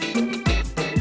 terima kasih bang